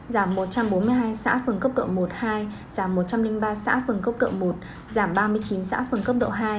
giảm một trăm bốn mươi hai xã phường cấp độ một hai giảm một trăm linh ba xã phường cấp độ một giảm ba mươi chín xã phường cấp độ hai